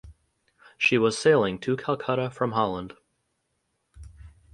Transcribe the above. She was sailing to Calcutta from Holland.